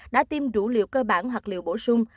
đã tiêm đủ liều cơ bản hoặc liều bổ sung